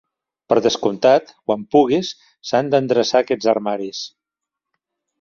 Per descomptat, quan puguis, s'han d'endreçar aquests armaris.